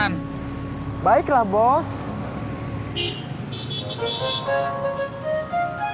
jangan lupa like share dan subscribe yaa